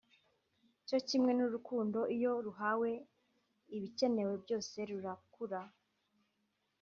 cyo kimwe n’urukundo iyo ruhawe ibikenewe byose rurakura